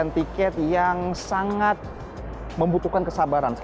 oh tapi tau tertarik buat mencoba nggak